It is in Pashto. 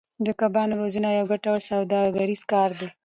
د کبانو روزنه یو ګټور سوداګریز کار دی.